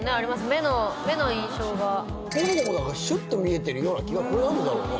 目の目の印象がシュッと見えてるような気がこれ何でだろうね